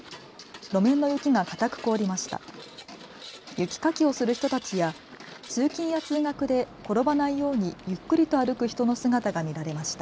路面の雪が固く凍りました。